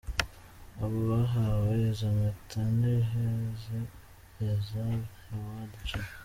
Abo bahawe izo mpeta ni Hezi Bezalel, Howard G.